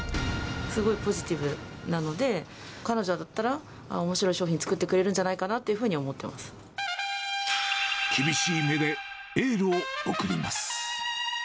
すごいポジティブなので、彼女だったら、おもしろい商品作ってくれるんじゃないかなっていうふうに思って厳しい目でエールを送ります。